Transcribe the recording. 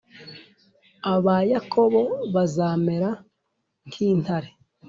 aba Yakobo bazamera nk intare